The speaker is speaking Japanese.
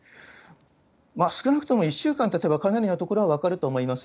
少なくとも１週間たてば、かなりのところは分かると思います。